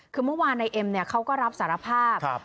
คือเมื่อวานในเอ็มเขาก็รับสารภาพ